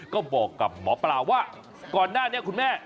ก็บอกกับหมอปลาว่าก่อนหน้านี้คุณแม่